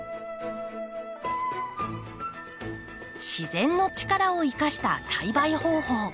自然の力を生かした栽培方法。